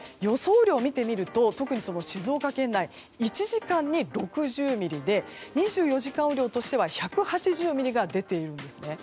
雨量を見てみると特に静岡県内１時間に６０ミリで２４時間雨量としては１８０ミリが出ています。